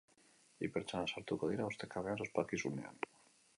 Bi pertsona sartuko dira ustekabean ospakizunean.